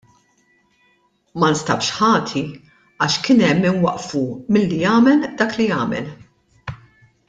Ma nstabx ħati għax kien hemm min waqqfu milli jagħmel dak li għamel.